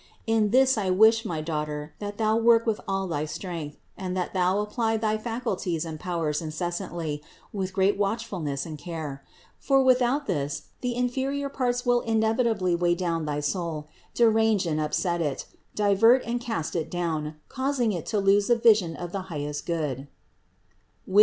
In this I wish, my daughter, that thou work with all thy strength, and that thou apply thy faculties and powers incessantly with great watchfulness and care; for without this the in ferior parts will inevitably weigh down thy soul, derange and upset it, divert and cast it down, causing it to lose the vision of the highest Good (Wis.